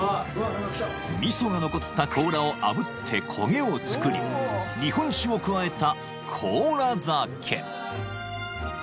［味噌が残った甲羅をあぶって焦げを作り日本酒を加えた］